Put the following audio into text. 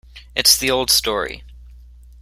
It's the old story.